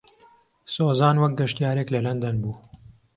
سۆزان وەک گەشتیارێک لە لەندەن بوو.